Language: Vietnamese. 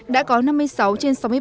đã có năm mươi sáu trên sáu mươi ba tỉnh